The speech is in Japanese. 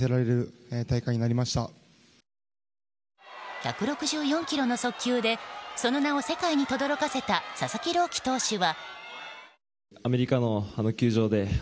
１６４キロの速球でその名を世界にとどろかせた佐々木朗希投手は。